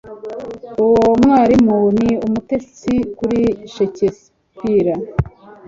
Uwo mwarimu ni umutegetsi kuri Shakespeare